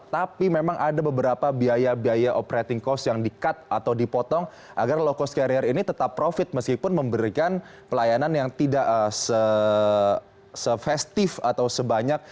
tapi memang ada beberapa biaya biaya operating cost yang di cut atau dipotong agar low cost carrier ini tetap profit meskipun memberikan pelayanan yang tidak se festive atau sebanyak